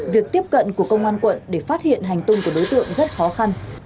việc tiếp cận của công an quận để phát hiện hành tung của đối tượng rất khó khăn